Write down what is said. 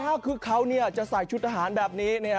ถ้าคือเขาจะใส่ชุดทหารแบบนี้